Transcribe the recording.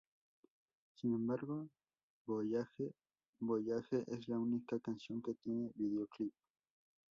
Sin embargo, "Voyage, Voyage" es la única canción que tiene videoclip.